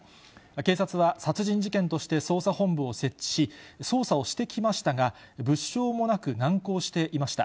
警察は殺人事件として捜査本部を設置し、捜査をしてきましたが、物証もなく、難航していました。